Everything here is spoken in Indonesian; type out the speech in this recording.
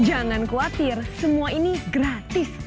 jangan khawatir semua ini gratis